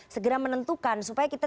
segera menentukan supaya kita